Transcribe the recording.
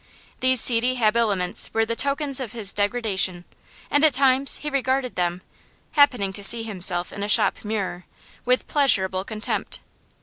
These seedy habiliments were the token of his degradation, and at times he regarded them (happening to see himself in a shop mirror) with pleasurable contempt.